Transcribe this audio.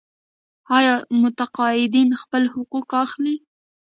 آیا متقاعدین خپل حقوق اخلي؟